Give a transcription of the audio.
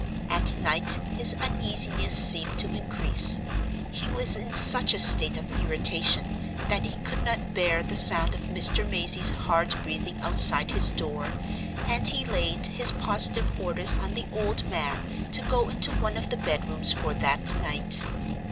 At night his uneasiness seemed to increase. He was in such a state of irritation that he could not bear the sound of Mr. Mazey's hard breathing outside his door, and he laid his positive orders on the old man to go into one of the bedrooms for that night.